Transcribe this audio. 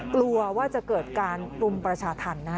กลัวว่าจะเกิดการรุมประชาธรรมนะฮะ